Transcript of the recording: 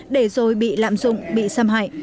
để rồi bị lạm dụng bị xâm hại